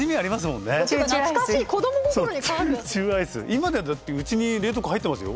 今でうちに冷凍庫入ってますよ。